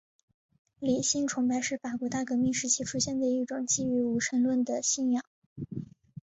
理性崇拜是法国大革命时期出现的一种基于无神论的信仰。